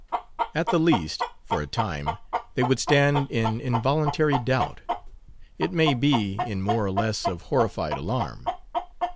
At the least, for a time, they would stand in involuntary doubt; it may be, in more or less of horrified alarm.